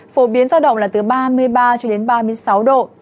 phổ biến ra động là từ ba mươi ba ba mươi sáu độ